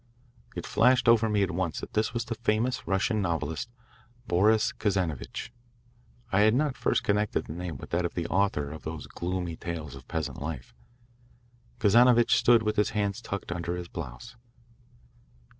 It flashed over me at once that this was the famous Russian novelist, Boris Kazanovitch. I had not at first connected the name with that of the author of those gloomy tales of peasant life. Kazanovitch stood with his hands tucked under his blouse.